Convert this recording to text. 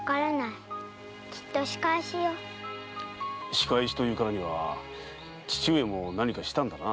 仕返しと言うからには父上も何かしたんだな？